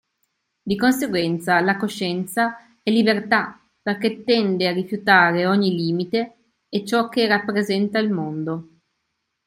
Di conseguenza la coscienza è libertà perché tende a rifiutare ogni limite e ciò che rappresenta il mondo.